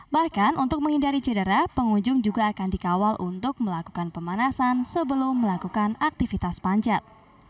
bahkan untuk menghindari cedera pengunjung juga akan dikawal untuk melakukan pemanasan sebelum melakukan aktivitas panjat